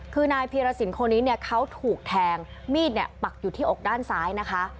คือนายพีระสินคนนี้เขาถูกแทงมีดปักอยู่ที่อกด้านซ้ายนะคะ